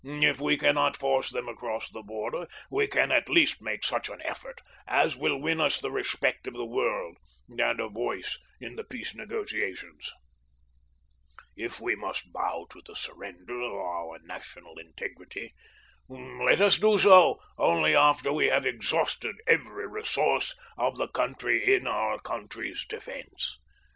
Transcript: If we cannot force them across the border we can at least make such an effort as will win us the respect of the world and a voice in the peace negotiations. "If we must bow to the surrender of our national integrity, let us do so only after we have exhausted every resource of the country in our country's defense.